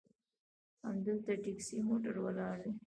همدلته ټیکسي موټر ولاړ دي.